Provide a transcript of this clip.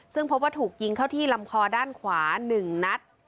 ซึ่งพบว่าถูกยิงเข้าที่ลำคอด้านขวา๑นัด